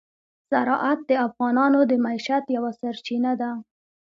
زراعت د افغانانو د معیشت یوه سرچینه ده.